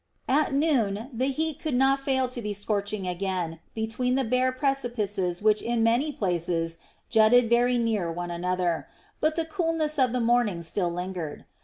At noon the heat could not fail to be scorching again between the bare precipices which in many places jutted very near one another; but the coolness of the morning still lingered.